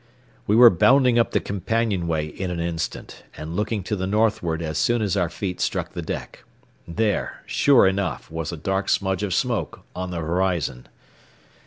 We were bounding up the companionway in an instant, and looking to the northward as soon as our feet struck the deck. There, sure enough, was a dark smudge of smoke on the horizon.